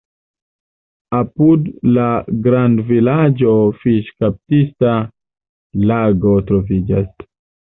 Apud la grandvilaĝo fiŝkaptista lago troviĝas.